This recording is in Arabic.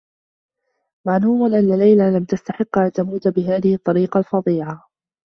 معلوم أنّ ليلى لم تستحقّ أن تموت بهذه الطّريقة الفظيعة.